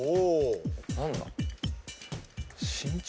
何だ？